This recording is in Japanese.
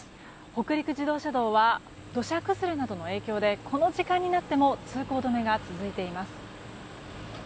北陸自動車道は土砂崩れなどの影響でこの時間になっても通行止めが続いています。